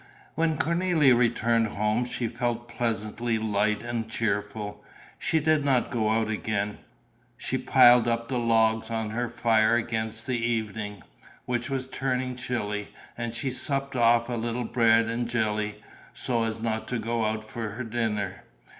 When Cornélie returned home she felt pleasantly light and cheerful. She did not go out again; she piled up the logs on her fire against the evening, which was turning chilly, and supped off a little bread and jelly, so as not to go out for her dinner.